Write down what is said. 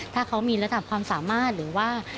ถ้าเขามีระดับความสามารถหรือว่า